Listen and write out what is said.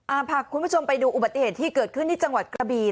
อาภักดณ์คุณผู้ชมไปดูอุบัติเหตุที่เกิดขึ้นในจังหวัดกะบี